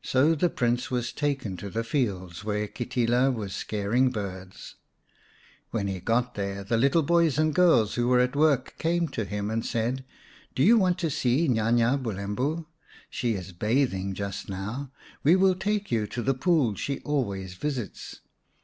So the Prince was taken to the fields where Kitila was scaring birds. When he got there the little 207 Nya nya Bulembu; xvn boys and girls who were at work came to him and said, " Do you want to see Nya nya Bulembu ? She is bathing just now, we will take you to the pool she always visits.